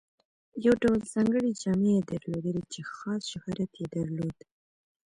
یو ډول ځانګړې جامې یې درلودې چې خاص شهرت یې درلود.